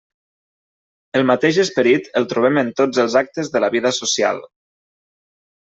El mateix esperit el trobem en tots els actes de la vida social.